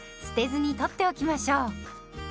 捨てずに取っておきましょう。